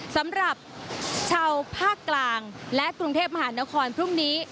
สำหรับชาวภาคกลางและกรุงเทพมหานครพรุ่งนี้